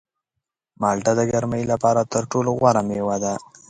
مالټه د ګرمۍ لپاره تر ټولو غوره مېوه ده.